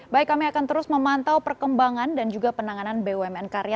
baik kami akan terus memantau perkembangan dan juga penanganan bumn karya